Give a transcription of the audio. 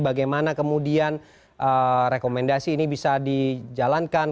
bagaimana kemudian rekomendasi ini bisa dijalankan